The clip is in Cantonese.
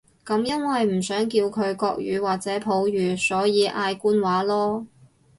噉因為唔想叫佢國語或者普語，所以嗌官話囉